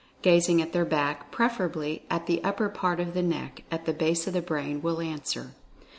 Gazing at their back, preferably at the upper part of the neck, at the base of the brain, will answer.